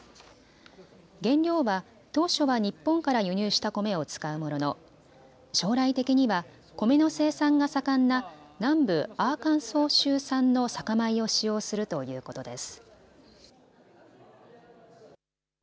原料は当初は日本から輸入した米を使うものの将来的には米の生産が盛んな南部アーカンソー州産の酒米を使用するということです。